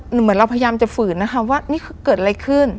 เหมือนเราพยายามจะฝืนนะคะว่านี่คือเกิดอะไรขึ้น